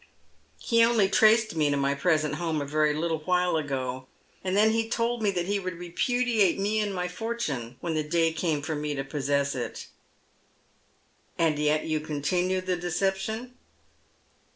He only traced me to my present home a very little while ago, and he then told me that he would repudiate me and my fortune when the day came for me to possess it." " And yet you continue the deception